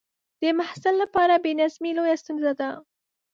د محصل لپاره بې نظمي لویه ستونزه ده.